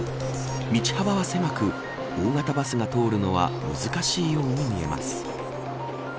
道幅は狭く、大型バスが通るのは難しいように見えます。